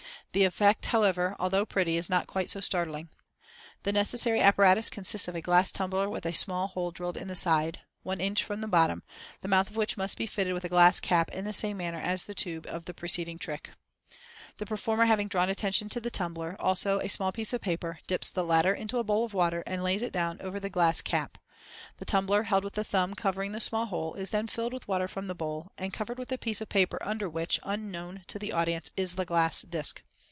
The effect, however, although pretty, is not quite so startling. The necessary apparatus consists of a glass tumbler with a small hole drilled in the side 1 in. from the bottom, the mouth of which must be fitted with a glass cap in the same manner as the tube in the preceding trick (see Fig. 32). Fig. 32. Tumbler and Cap. The performer having drawn attention to the tumbler, also a small piece of paper, dips the latter into a bowl of water, and lays it down over the glass cap. The tumbler, held with the thumb covering the small hole, is then filled with water from the bowl, and covered with the piece of paper under which, unknown to the audience, is the glass disc.